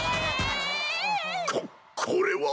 ここれは。